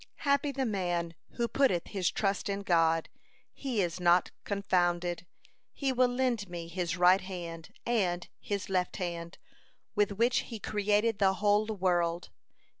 Happy the man who putteth his trust in God; he is not confounded. He will lend me His right hand and His left hand, with which He created the whole world.